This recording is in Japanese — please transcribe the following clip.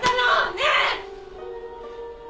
ねえ！